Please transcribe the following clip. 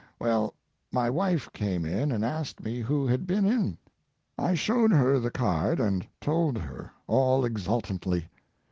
Well, my wife came in and asked me who had been in. I showed her the card, and told her all exultantly.